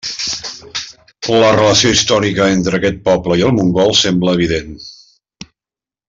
La relació històrica entre aquest poble i el mongol sembla evident.